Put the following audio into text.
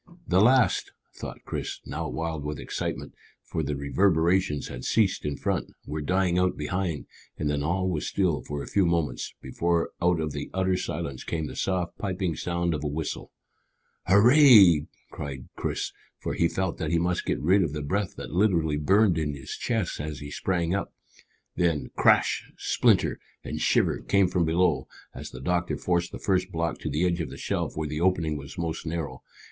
"The last!" thought Chris, now wild with excitement, for the reverberations had ceased in front, were dying out behind, and then all was still for a few moments, before out of the utter silence came the soft piping sound of a whistle. "Hurrah!" cried Chris, for he felt that he must get rid of the breath that literally burned in his chest as he sprang up. Then crash, splinter, and shiver came from below as the doctor forced the first block to the edge of the shelf where the opening was most narrow.